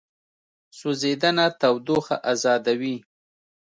سوځېدنه تودوخه ازادوي.